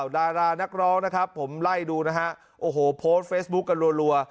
ดารานักร้องนะครับผมไล่ดูนะฮะโอ้โหโพสต์เฟซบุ๊คกันรัว